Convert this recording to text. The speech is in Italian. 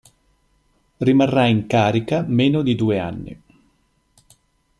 Rimarrà in carica meno di due anni.